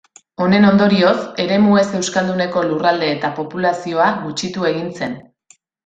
Honen ondorioz, eremu ez-euskalduneko lurralde eta populazioa gutxitu egin zen.